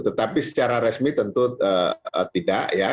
tetapi secara resmi tentu tidak ya